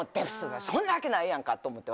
そんなわけないやんか！と思って。